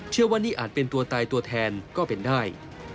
เชื่อว่านี่อาจเป็นตัวตายตัวแทนก็เป็นได้